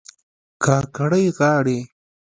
کاکړۍ غاړي